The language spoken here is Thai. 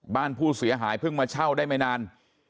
บ้านผู้เสียหายเพิ่งมาเช่าได้ไม่นาน